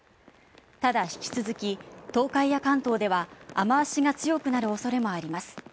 ただ引き続き、東海や関東では雨脚が強くなる恐れもあります。